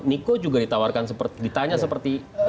niko juga ditawarkan ditanya seperti mas fajro